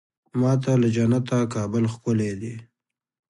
ما ته له جنته کابل ښکلی دی.